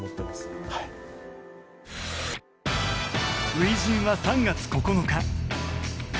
初陣は３月９日。